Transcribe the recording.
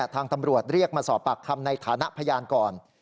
ทางตำรวจเรียกมาสอบปากคำในฐานะพยานก่อน